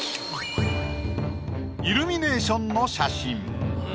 イルミネーションの写真。